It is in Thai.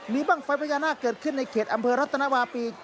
มีบ้างไฟพญานาคเกิดขึ้นในเขตอำเภอรัตนวาปี